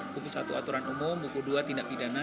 buku satu aturan umum buku dua tindak pidana